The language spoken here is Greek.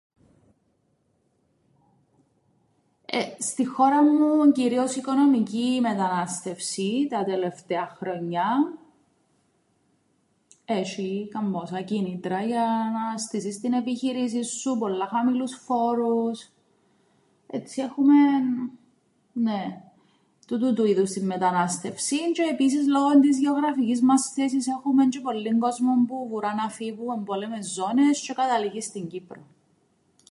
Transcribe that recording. Ε στην χώραν μου εν' κυρίως οικονομική η μετανάστευση τα τελευταία χρόνια, έσ̆ει καμπόσα κίνητρα για να στήσεις την επιχείρησην σου, πολλά χαμηλούς φόρους, έτσι έχουμεν, νναι, τούτου του είδους την μετανάστευσην, τζ̆αι επίσης λόγον της γεωγραφικής μας θέσης έχουμεν τζ̆αι πολλύν κόσμον που βουρά να φύει που εμπόλεμες ζώνες τζ̆αι καταλήγει στην Κύπρον.